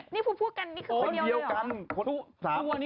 นี่คุณพูดกันนี่คือคนเดียวเลยเหรอคนเดียวกัน